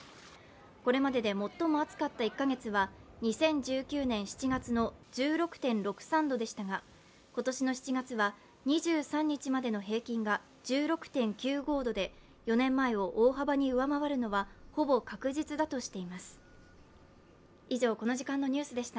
これまでで最も暑かった１か月は２０１９年７月の１６．６３度でしたが、今年の７月は２３日までの平均が１６．９５度で４年前を大幅に上回るのはほぼ確実だとしています。